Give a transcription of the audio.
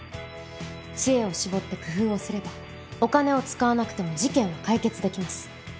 知恵を絞って工夫をすればお金を使わなくても事件は解決できます。